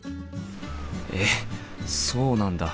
えっそうなんだ。